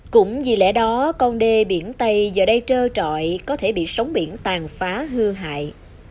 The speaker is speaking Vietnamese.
cũng vì lẽ đó con đê biển tây giờ đây trơ trọi có thể bị sóng biển tàn phá hư hại